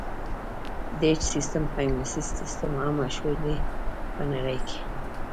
د ایچ سیسټم په انګلیسي سیسټم هم مشهور دی په نړۍ کې.